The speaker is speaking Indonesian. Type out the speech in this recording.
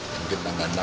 mungkin tanggal enam jawa